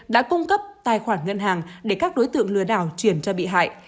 đã cung cấp tài khoản ngân hàng để các đối tượng lừa đảo chuyển cho bị hại